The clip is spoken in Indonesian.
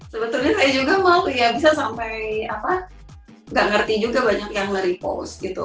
sebetulnya saya juga mau ya bisa sampai apa nggak ngerti juga banyak yang nge repost gitu